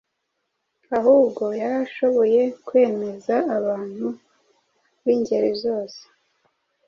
ahubwo yari ashoboye kwemeza abantu b’ingeri zose